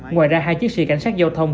ngoài ra hai chiếc xe cảnh sát giao thông